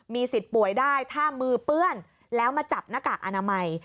สิทธิ์ป่วยได้ถ้ามือเปื้อนแล้วมาจับหน้ากากอนามัย